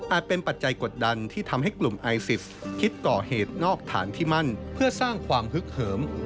เป็นปัจจัยกดดันที่ทำให้กลุ่มไอซิสคิดก่อเหตุนอกฐานที่มั่นเพื่อสร้างความฮึกเหิม